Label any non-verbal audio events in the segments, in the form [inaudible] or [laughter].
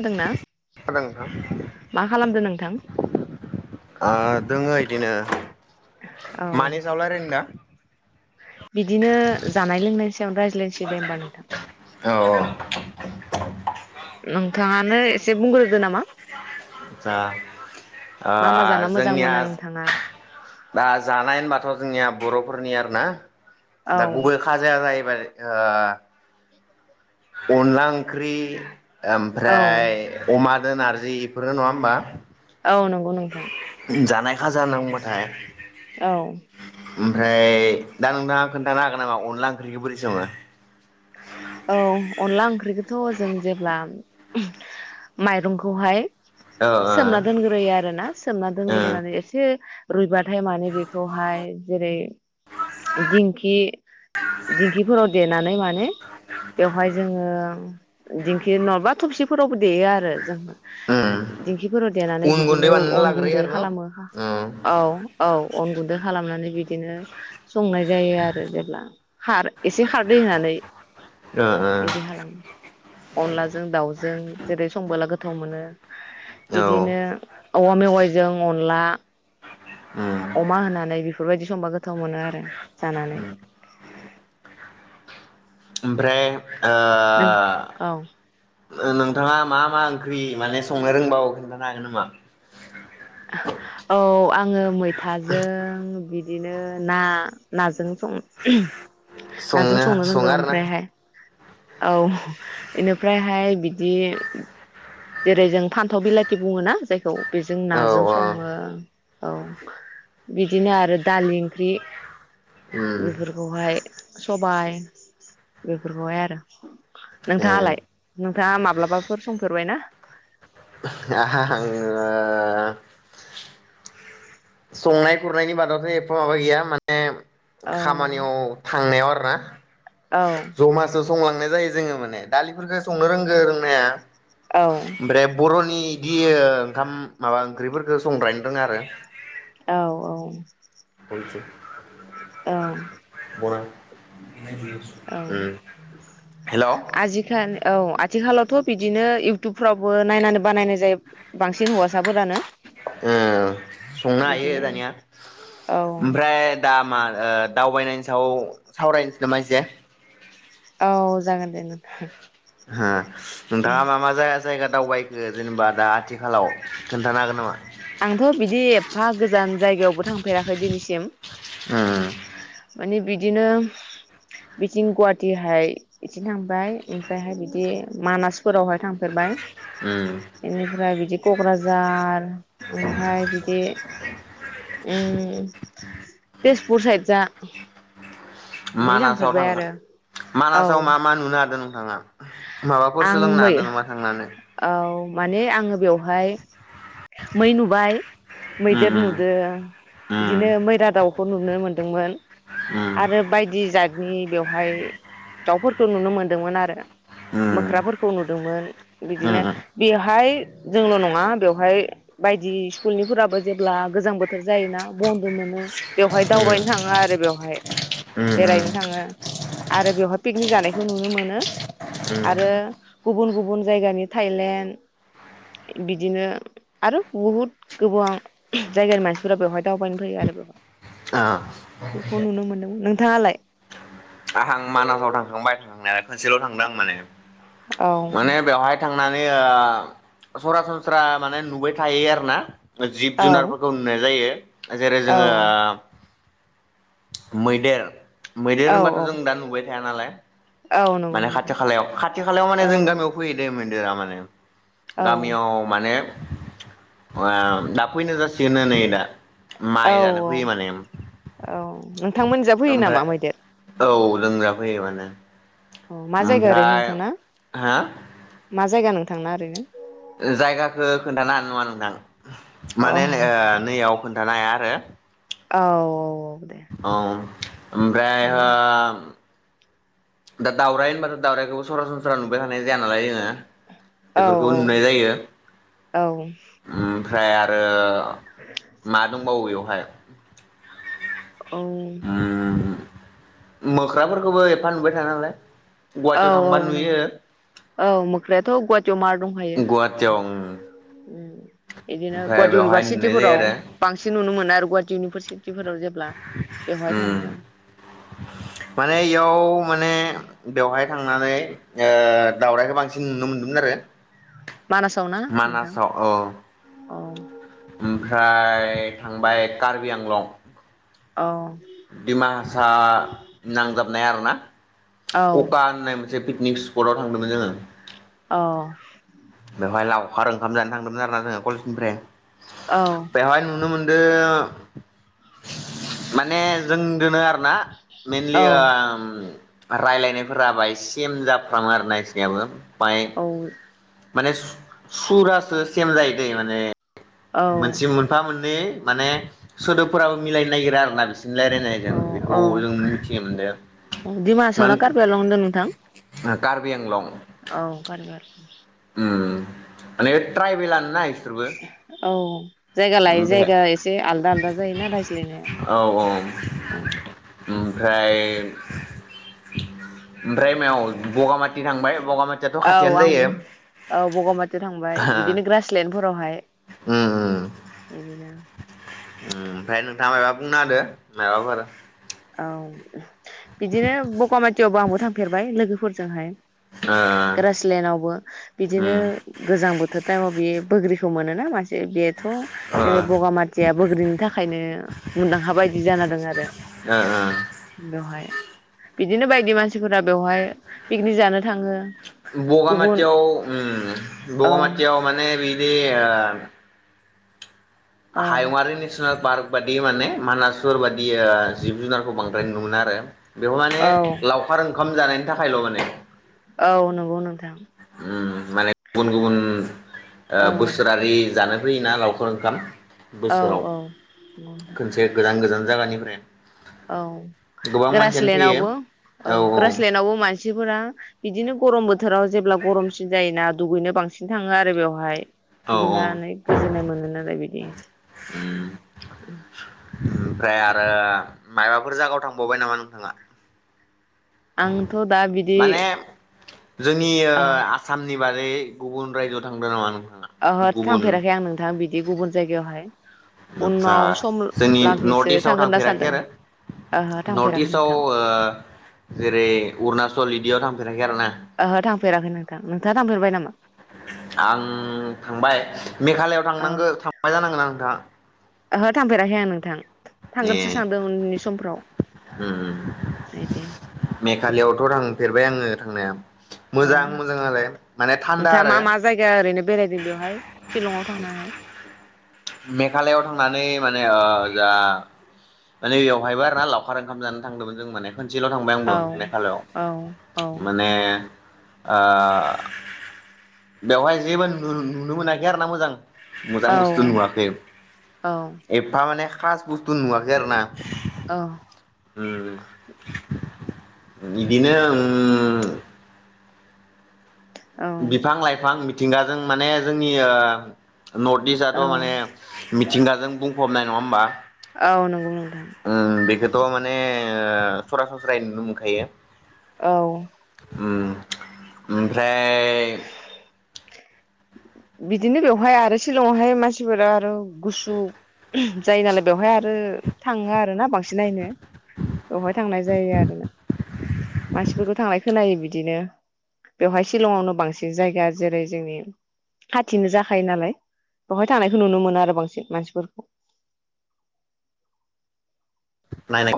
खानादोंना खोनादों नोंथां मा खालामदों नोंथां? आ दोङो इदिनो औ मानि सायाव लारायनो दा बिदिनो जानाय लोंनाय रायज्लायसै दे होमबा नोंथां औ नोंथाङानो एसे बुंग्रोदो नामा जा ओ मा मा जाना मोजां जोंनिया मोनो नोंथाङा दा जानाय होनबाथ' जोंनिया बर'फोरनि आरो ना औ दा गुबै खाजाया जाहैबाय ओह अनला ओंख्रि औ ओमफ्राय अमादो नारजि बेफोरनो नङा होमबा? औ नंगौ नोंथां जानाय खाजा होनना बुंबाथाय औ ओमफ्राय दा नोंथाङा खोन्थानो हागोन नामा अनला ओंख्रिखौ बोरै सङो औ अनला ओंख्रिखौथ' जों जेब्ला माइरंखौहाय ओ ओ सोमना दोनग्रोयो आरो ना सोमना ओ दोनग्रोनानै एसे रुइबाथाय माने बेखौहाय जेरै दिंखि दिंखिफोराव देनानै माने बेवहाय जोङो दिंखि नङाबा थबसिफोरावबो देयो आरो जों उम दिंखिफोराव देनानै उन गुन्दै बिदिनो बानायना अन लाग्रोयो गुन्दै आरो न' खालामो औ औ औ अन गुन्दै खालामनानै बिदिनो संनाय जायो आरो जेब्ला खार एसे खारदै होनानै ओ बिदि हालां अनदलाजों दाउजों जों जेरै संबोला गोथ गोथाव मोनो ओ बिदिनो औ औवा मेवाइजों अनला उम अमा होनानै बिख बेफोरबायदि संबा गोथाव मोनो आरो जानानै ओमफ्राय ओ नों औ नो नोंथाङा मा मा ओंख्रि माने संनो रोंबावो खोन्थानो हागोन नामा? औ आङो मैथाजों बि बिदिनो ना नाजों सं नाजों संनो सङो रोंगौ आरोना ओमफ्रायहाय औ इनिफ्रायहाय बिदि जेरै जों फान्थाव बिलाथि बुङो ना जायखौ बेजों औ नाजों सङो ब औ बिदिनो आरो दालि ओंख्रि उम बेफोरखौहाय सबाय बेफोरखौहाय आरो ए नोंथाङालाय दा माब्लाबाफोर संफेरबाय ना आहा आङो संनाय खुरनायनि बादावथ' एफा माबा गैया माने औ खामानियाव थांनायाव आ [unintelligible] औ संलांनाय जायो जोङो माने दालिफोरफोरखौ संनो रोंगो रोंनाया औ ओमफ्राय बर'नि बिदि ओंखाम माबा ओंख्रिफोरखौ संग्राय रोंआ आरो औ औ [inaudible] औ [unintelligible] औ उम हेल' आजिखालि औ आथिखालावथ' बिदिनो इउथुबफ्रावबो नायनानै बानायनाय जायो बांसिन हौवासाफोरानो ओ संनो हायो बिदिनो दानिया औ ओमफ्राय दामा ओ दावबायनायनि सायाव सावरायनोसै नामा एसे? औ जागोन दे नोंथां हा [unintelligible] दावबायखो जेनेबा दा आथिखालाव खोन्थानो हागोन नामा आंथ' बिदि एफा गो जान जायगायावबो थांफेराखै दिैसिम उम माने बिद बिदिनो बिथिं गुवाहाटिहाय बिथिं थांबाय ओमफ्रायहाय बिदि मानासफोरावहाय थांफेरबाय । उम बेनिफ्राय बिदि क'क्राझा जार ओमफ्राय बिदि उम तेजपुर सायद जा बिदि मानासाव थांफेरबाय थांना आरो औ मानासाव मा मा नुनो हादों? आङा माबाफोर आं सोलोंनो मै हादों नोमा थांनानै औ माने आङो बेवहाय मै नुबाय उम मैदेर नुदो उम बिदिनो मैरा दाउखौ नुनो मोनदों । दोंमोन उम उम आरो बायदि जतनि बेव हाय दाउफोरखो नुनो मोनदोंमोन आरो । उम मोख्राफोरखौ नुदोंमोन बिदिनो बेवहाय जोंल नङा बेवहाय बायदि स्कुलनिफोराबो जेब्ला गोजां बोथोर जायोना बन्द मोनो बेवहाय दावबायनो थाङो आरो बेव हाय उम उम बेरायनो थाङो आरो बेवहाय पिकनि जानायखौ नुनो मोनो आरो गुबुन गुबुन जायगानि थायलेण्ड बिदिनो आरो बहुद गोबां जायगानि मानसिफोरा बेवहाय दावबायनो फैयो आरो बेवहाय ओ बेखौ नुनो मोनदोंमोन नोंथाङालाय आं मानासाव थांखांबाय थांनाया खोनसेल थांदों आं माने औ माने बेवहाय थां नै ओ सरासनस्रा माने नुबाय थायो आरो ना जिब औ जुनारफोरखौ नुनाय जायो जेरै औ जोङो मैदेर मैदेर औ होनबाथ' जों दा नु बाय थाया नालाय औ नंगौ माने नोंथां खाथि खालायाव खाथि खालायाव माने औ जों गामियाव फैयो दे मैदेरा माने औ गामियाव माने ओ दाफैनो जाासिगोननो नै दा औ माइ जानो औ फैयो माने औ नोंथांमोनजा फैयो नामा मैदेर ग्रा फैयो मानो अ मा जायगा ओरैनो नोंथांना हा मा जायगा नों थांना ओरैनो जायगाखौ खोन्थानो हानाय नङा नोंथां अ माने नोय नैयाव खोन्थानो हाया [unintelligible] औ औ दे औ ओमफ्राय हो दा दाउराय होनबाथ' दाउरायखौबो सरासनस्रा नुबायखानाय जाया नालाय जोङो औ बेफोरखौ नुनाय जायो औ उम ओमफ्राय आरो मा दंबावो बेवहाय औ उम मोख्राफोरखौबो नुबाय थाया नालाय औ गुवाहाटियाव थांबा नुयो नों औ मोख्रायाथ' गुवाहाटियाव मार दंखायो गुवाहाटियाव ओम इदिनो गुवाहाटी इउनिभारसिटिफोराव बांसिन नुनो मोनो आरो गुवाहाटी इउनिभारसि फोराव जेब्ला बेवहाय उम थाङो माने इयाव माने बेवहाय थांनानै ओ दावरायखौ बांसिन नुनो मोन्दोंमोन आरो । मानासाव औ अ ओमफ्राय थांबाय कार्बि आंलं अ दिमाहासा नांजाबनाय आरोना औ अखा होननाय मोन मोनसे पिकनिक स्पटआव थांदोंमोन जोङो अ बेवहाय लावखार ओंखाम जानो थांदोंमोन आरोना जोङो कलेजनिफ्राय औ । बेहाय नुनो मोनो [unintelligible] माने जों दोनो आरो ना औ मेेनलि ओ राइलाय निफोरा बायस सिम जाफ्लाङो आरो इसिनायाबो माय माने सुरासो सेम जायो दे माने औ मोनसे मोनफा मोननै माने सोदोबफोराबो मिलायनो नागिरा आरोना बिसो रायलायनायजों औ बेखौ जों मिथिनो मोनदों दिमाहासाव मान ना कार्बि आंलं होनदों नोंथां कार्बि आंलं औ गारगार ओम माने ट्रायबेलानो ना इसोरबो औ जायगा लायै ओमफ्राय जायगा एसे आलदा आलदा जायोना औ रायज्लायनाया औ ओमफ्राय ओमफ्राय मायाव बगामाथि थांबाय बगामाथियाथ' औ खाथियानो आंबो जायो औ बगामाथियाव थांबाय बिदिनो ग्रासलेण्डफोरावहाय उम बिदिनो ओ ओमफ्राय नोंथाङा मायबा बुंना होदो मायाबाफोर औ बिदिनो बगामाथियावबो आंबो थांफेरबाय लोगोफोर जोंहाय ओ ग्रासलेण्डावबो बिदिनो उम गोजां बोथोर टाइमाव बेयो बोग्रिखौ मोनो म [unintelligible] बेथ' ओ जेरै बगामाथिया बोग्रिनि थाखायनो मुंदांखा बायदि जाना दों आरो ओ ओ बेहाय बिदिनो बायदि मानसिफोरा बेवहाय पिकनिक जानो थाङो । बगामाथियाव उम औ बगामाथियाव माने बे बिदि ओ औ हायुंआरि नेसनेल पार्क बादि माने मानासुर बादि ओ जिब जुनारखौ बांद्राय नु मोना आरो । बेयाव माने औ लावखार ओ खाम जानायनि थाखायल' माने औ नंगौ नोंथां ओम माने गुबुन गुबुन ओ औ बोसोरारि जानो फैयोना लावखार ओंखाम बोसोराव औ नंगौ नोंथां खनसे गोजान गोजान जागानिफ्राय औ फैयो ग्रासलेण्डावबो औ ग्रासलेण्डावबो मानसिफोरा बिदिनो गरम बोथोराव जेब्ला गरमसिन जायोना दुगैनो बांसिन थाङो आरो बेवहाय । औ दुगैनानै गोजोननाय मोनो । नाय बिदि उम ओम ओमफ्राय आरो मायाबाफोर जायागायाव थांबावबाय नामा नोंथाङा आंथ' दा बिदि माने जोंनि ओ अ आसाम नि बारै गुबुन रायजोआव थांदों नामा नों? ओहो थांफेराखै आं नोंथां बिदि गुबुन जायगायावहाय आदसा उनाव सम जोंनि लागिसो नर्थ इस्टआव थांगोन होनना थांफेराखै सानदों आरो ओहो नर्थ थांफेराखै इस्टआव नोंथां ओ जेरै अरुणाचल इदियाव थां [unintelligible] आरोना ओहो थांफेराखै नोंथां नोंथाङा थांफेरबाय नामा आं थांबाय मेघालआव अ थांनांगो थांबाय जानांगो ना नोंथाङा ओहो थांफेराखै आं नोंथां ए थांगोनसो सानदों उननि समफ्राव उम उम बिदि मेघालियावथ' थांफेरबाय आङो थांनाया औ मोजां मोजां लाय माने थान्दा नोंथाङा आरो मा मा जायगा ओरैनो बेरायदों बेवहाय शिलंआव थांनानै मेघालआव थांनानै माने ओ जा माने बेवहायबो आरो ना लावखार ओंखाम जानो थांदोंमोन जों माने खनसेल' थांबाय आंबो औ मेघालयआव औ औ माने ओ बेवहाय जेबो नु-नुनो मोनाखै आर ना मोजां मोजां औ बस्थु नुवा औ थार माने खास बुस्थु नुवाखै आरो ना औ हम इदिनो उम औ बिफां-लाइफां मिथिंगाजों माने जोंनि ओ नर्थ इस्थाथ' औ माने मिथिंगाजों बुंफबनाय नङा होमबा औ नंगौ नोंथां थ' माने सरासनस्रायै नुनो मोनखायो औ उम ओमफ्राय [unintelligible] बिदिनो बेवहाय आरो शिलंआवहाय मानसिफोरा आरो गुसु [unintelligible] जायो नालाय बेवहाय आरो थाङो आरो ना बांसिन नायनो बेवहाय थांनाय जायो आरोना मानसिफोरखौ थांनाय खोनायो बिदिनो बेवहाय शिलंआवनो बांसिन जायगा जेरै जोंनि खाथिनो जाखायो नालाय बेवहाय थांनायखौ नुनो मोनो आरो बांसिन मानसिफोरखौ नाय नाय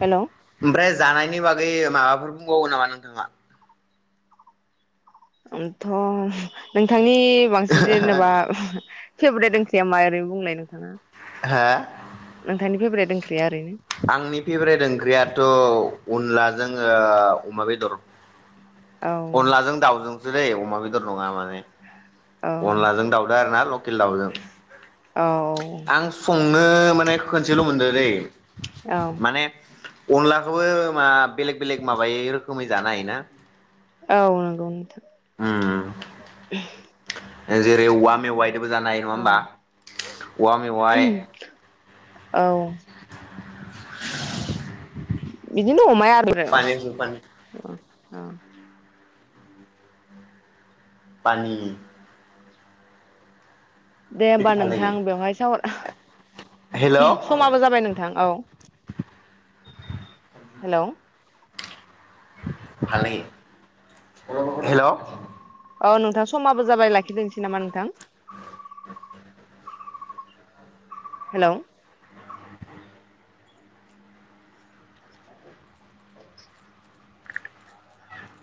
हेल' ओमफ्राय जानायनि बा गै माबाफोर बुंबावो नामा नोंथाङा आंथ' नोंथांनि बि बांसिन जेनेबा फेभरेट ओंख्रिया मा ओरैनो बुंलाय? हो नोंथांनि फेभरेट ओंख्रिया ओरैनो आंनि फेभरेट ओंख्रियाथ' अनला जोङो अमा बेदर औ अनलाजों दाउजों सो जायो अमा बेदर नङा माने औ अनलाजों दाउदो आरो ना लकेल दावजों औ नो माने खोनसेल' मोनदों दै औ माने अनलाखौबो मा बेलेग बेलेग माबायै रोखोमै जानो हायो ना औ नोंगौ नोंथां उम [inaudible] जेरै औवा मेवाइदोबो जानो हायो नङा औ होमबा औवा मेवाइ [inaudible] औ बिदिनो दङ माया आरो पानि पानि पानि दे होमबा नोंथां बेवहाय साव हेल' समाबो जाबाय नोंथां औ हेलौ हाले हेलौ औ नोंथां समाबो जाबाय लाखिदोनोसै नामा नोंथां [inaudible] हेलौ